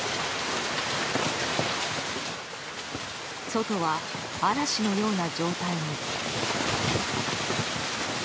外は嵐のような状態に。